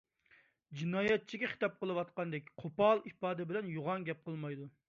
جىنايەتچىگە خىتاب قىلىۋاتقاندەك قوپال ئىپادە بىلەن يوغان گەپ قىلمايدۇ.